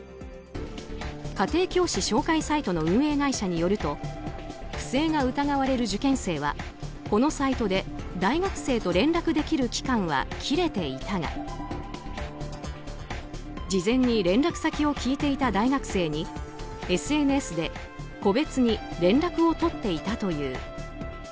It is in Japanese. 家庭教師紹介サイトの運営会社によると不正が疑われる受験生はこのサイトで大学生と連絡できる期間は切れていたが事前に連絡先を聞いていた大学生にＳＮＳで個別に連絡を取っていたという。